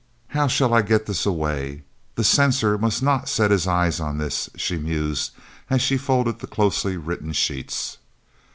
"How shall I get this away? The censor must not set eyes on this," she mused as she folded the closely written sheets.